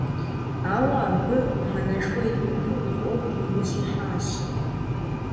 Ауэ абы мыхьэнэшхуэ иримыту и Ӏуэху и ужь ихьащ.